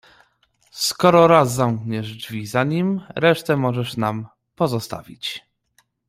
"Skoro raz zamkniesz drzwi za nim, resztę możesz nam pozostawić."